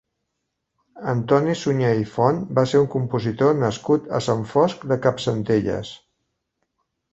Antoni Suñé i Font va ser un compositor nascut a Sant Fost de Campsentelles.